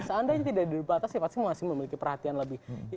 seandainya tidak dibatasi pasti masih memiliki perhatian lebih